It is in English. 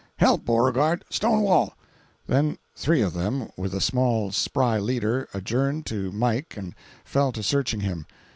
Help Beauregard, Stonewall." Then three of them, with the small, spry leader, adjourned to Mike and fell to searching him.